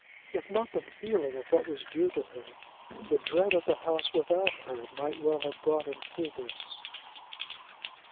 If not the feeling of what was due to her, the dread of the house without her might well have brought him to this.